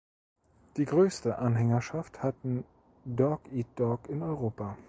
Die größte Anhängerschaft hatten Dog Eat Dog in Europa.